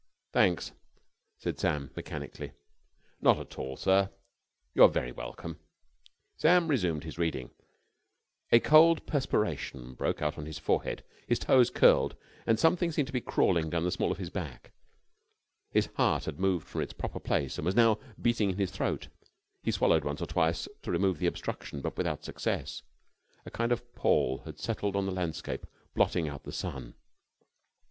"Thanks," said Sam, mechanically. "Not at all, sir. You are very welcome." Sam resumed his reading. A cold perspiration broke out on his forehead. His toes curled, and something seemed to be crawling down the small of his back. His heart had moved from its proper place and was now beating in his throat. He swallowed once or twice to remove the obstruction, but without success. A kind of pall had descended on the landscape, blotting out the sun.